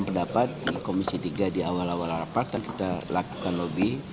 pendapat komisi tiga di awal awal rapat dan kita lakukan lobby